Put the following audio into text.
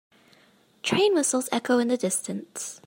Train whistles echo in the distance.